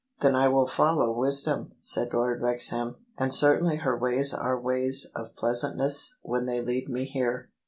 "Then I will follow wisdom," said Lord Wrexham: " and certainly her ways are ways of pleasantness when they lead me here."